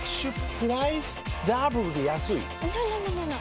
プライスダブルで安いＮｏ！